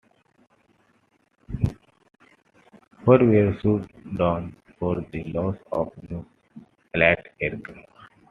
Four were shot down for the loss of no Allied aircraft.